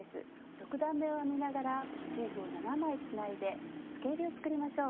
６段めを編みながらモチーフを７枚つないでつけえりを作りましょう。